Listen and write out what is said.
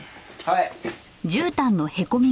はい。